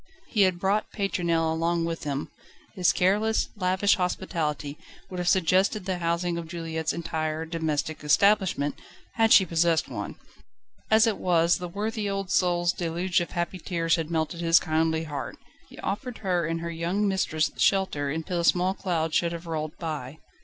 He had brought Pétronelle along with him: his careless, lavish hospitality would have suggested the housing of Juliette's entire domestic establishment, had she possessed one. As it was, the worthy old soul's deluge of happy tears had melted his kindly heart. He offered her and her young mistress shelter, until the small cloud should have rolled by.